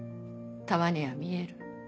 たまには見える？